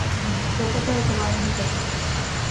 لوگوں پر اعتبار نہیں کرتا